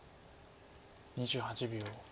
２８秒。